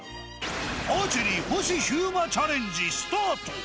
アーチェリー星飛雄馬チャレンジスタート。